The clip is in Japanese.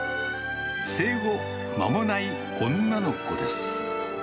生後間もない女の子です。